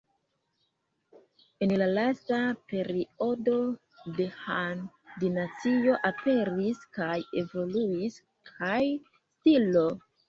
En la lasta periodo de Han-dinastio aperis kaj evoluis Kai-stilo.